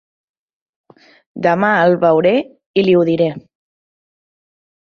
Demà el veuré i li ho diré.